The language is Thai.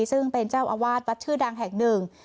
ซึ่งเป็นเจ้าอาวาสวัดชื่อดังแห่งหนึ่ง